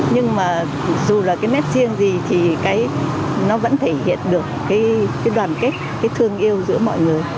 nhưng mà dù là cái nét riêng gì thì cái nó vẫn thể hiện được cái đoàn kết cái thương yêu giữa mọi người